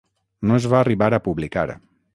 No es va arribar a publicar.